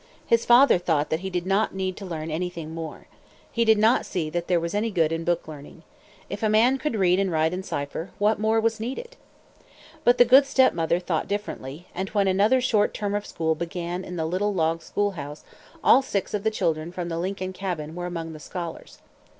His father thought that he did not need to learn anything more. He did not see that there was any good in book learning. If a man could read and write and cipher, what more was needed? But the good step mother thought differently; and when another short term of school began in the little log school house, all six of the children from the Lincoln cabin were among the scholars.